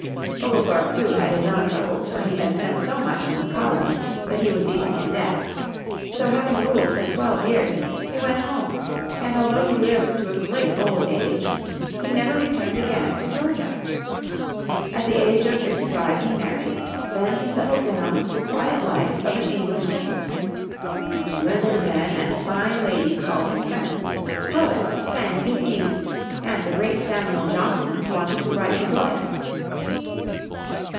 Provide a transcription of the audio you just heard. Oglethorpe, too, had his own troubles, for he had spent so much on the colony that he was deeply in debt. So, having ruled for twelve years, he went home, and although be lived to a great old age, he never returned again to Georgia. At the age of fifty five he married; then he settled down to the quiet life of an English gentleman. Learned men and fine ladies called him friend, poets sang of his deeds, and the great Samuel Johnson wanted to write his life.